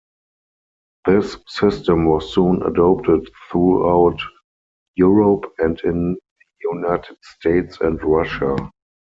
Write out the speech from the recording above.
This system was soon adopted throughout Europe, and in the United States and Russia.